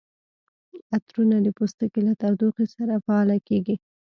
عطرونه د پوستکي له تودوخې سره فعال کیږي.